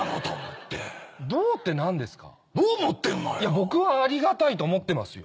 僕はありがたいと思ってますよ。